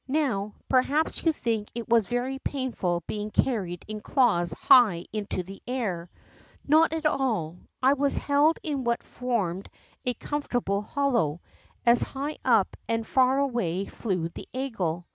54 THE ROCK FROG perhaps, you think it was very painful being carried in claws high into the air. [N^ot at all. I was held in what formed a comfortable hollow, as high up and far away flew the eagle.